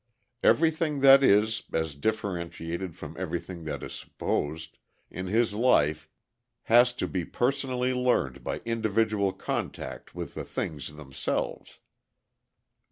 Everything that is, as differentiated from everything that is supposed, in his life has to be personally learned by individual contact with the things themselves.